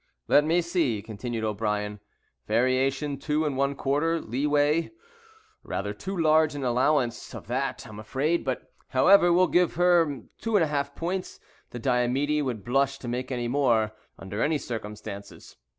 "Let me see," continued O'Brien, "variation 2 1/4—leeway—rather too large an allowance of that, I'm afraid; but, however, we'll give her 2 1/2 points; the Diomede would blush to make any more, under any circumstances.